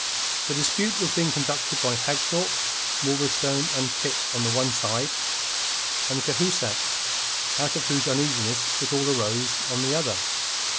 The dispute was being conducted by Hagthorpe, Wolverstone, and Pitt on the one side, and Cahusac, out of whose uneasiness it all arose, on the other.